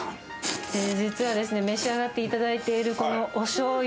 実は召し上がっていただいているこのおしょうゆ。